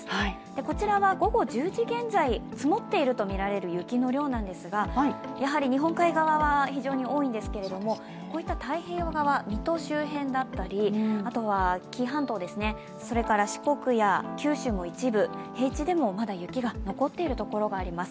こちらは午後１０時現在、積もっているとみられる雪の量なんですがやはり日本海側は非常に多いんですけれどもこういった太平洋側、水戸周辺だったりあとは紀伊半島、それから四国や九州も一部、平地でもまだ雪が残っているところがあります。